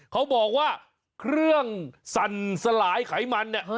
เขาบอกว่าเครื่องสั่นสลายไขมันเนี่ย